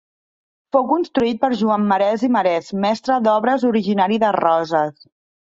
Fou construït per Joan Marés i Marés, mestre d'obres originari de Roses.